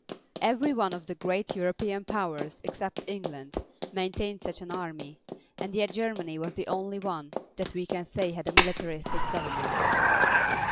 Every one of the great European powers except England maintained such an army, and yet Germany was the only one that we can say had a militaristic government.